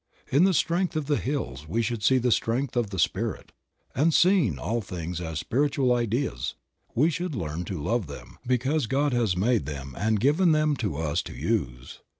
In the strength of the hills we should see the strength of the Spirit; and seeing all things as spiritual ideas, we should learn to love them, because God has made them and given them to us to use.